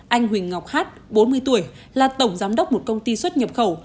anh huỳnh ngọc hát bốn mươi tuổi là tổng giám đốc một công ty xuất nhập khẩu